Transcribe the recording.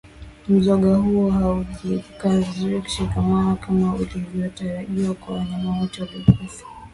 Mzoga huo haujikazikutoshikamana kama inavyotarajiwa kwa wanyama wote waliokufa